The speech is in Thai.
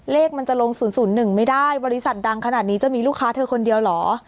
เลขมันจะลง๐๐๑ไม่ได้บริษัทดังขนาดนี้จะมีลูกค้าเธอคนเดียวเหรอ